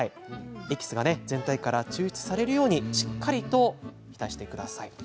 エキスが全体から抽出されるようにしっかりと浸してください。